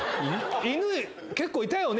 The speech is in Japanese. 戌結構いたよね？